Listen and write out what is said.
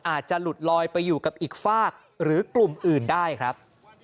อาจจะหลุดลอยไปอยู่กับอีกฝากหรือกลุ่มอื่นได้ครับ